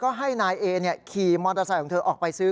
ขี้มอเมอร์ไซค์ออกไปซื้อ